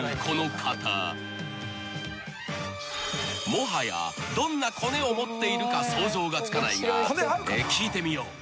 ［もはやどんなコネを持っているか想像がつかないがえ聞いてみよう］